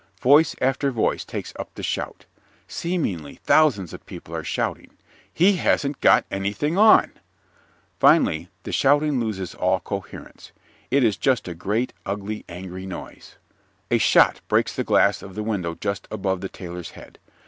Voice after voice takes up the shout. Seemingly thousands of people are shouting, "He hasn't got anything on!" Finally the shouting loses all coherence; it is just a great, ugly, angry noise. A shot breaks the glass of the window just above the Tailor's head.